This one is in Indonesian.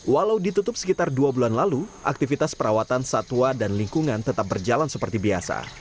walau ditutup sekitar dua bulan lalu aktivitas perawatan satwa dan lingkungan tetap berjalan seperti biasa